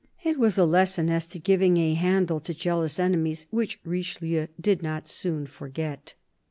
It was a lesson as to giving a handle to jealous enemies, which Richelieu did not soon forget.